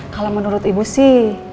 kalau menurut ibu sih